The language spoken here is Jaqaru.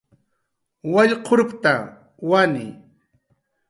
Wallqurpta, wani